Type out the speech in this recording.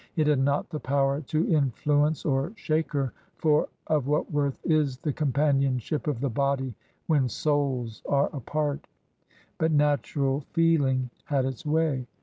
It had not the power to influence or shake her — for of what worth is the com panionship of the body when souls are apart? — but natural feeling had its way.